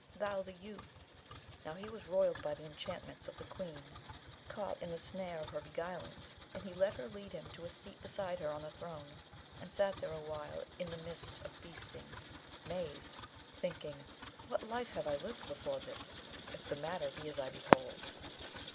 thou the youth!' Now, he was roiled by the enchantments of the Queen, caught in the snare of her beguilings; and he let her lead him to a seat beside her on the throne, and sat there awhile in the midst of feastings, mazed, thinking, 'What life have I lived before this, if the matter be as I behold?'